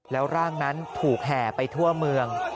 แล้วร่างนั้นถูกแห่ไปทั่วเมือง